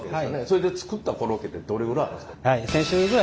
それで作ったコロッケってどれぐらいあるんですか？